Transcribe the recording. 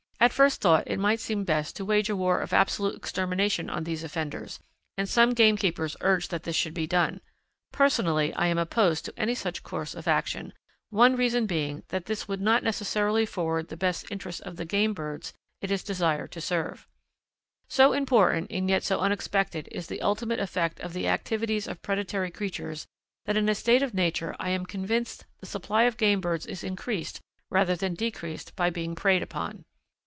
At first thought it might seem best to wage a war of absolute extermination on these offenders, and some game keepers urge that this should be done. Personally I am opposed to any such course of action, one reason being that this would not necessarily forward the best interests of the game birds it is desired to serve. So important and yet so unexpected is the ultimate effect of the activities of predatory creatures that in a state of nature I am convinced the supply of game birds is increased rather than decreased by being preyed upon.